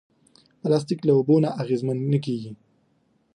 پلاستيک له اوبو نه اغېزمن نه کېږي.